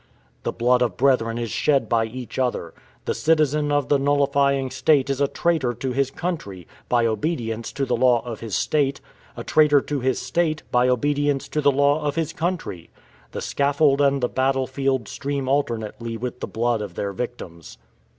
The blood of brethren is shed by each other. The citizen of the nullifying State is a traitor to his country, by obedience to the law of his State; a traitor to his State, by obedience to the law of his country. The scaffold and the battle field stream alternately with the blood of their victims.